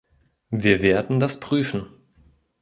Wir werden das prüfen.